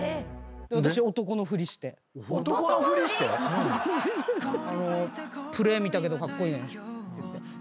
男のふりして⁉プレー見たけどカッコイイねって言って。